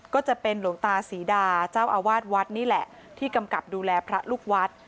ก็จะเป็นหลวงตาศรีดาเจ้าอาวาสวัดนี่แหละที่กำกับดูแลพระลูกวัด